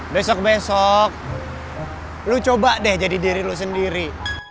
besok besok lu coba deh jadi diri lo sendiri